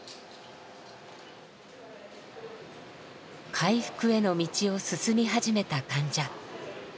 回復への道を進み始めた患者。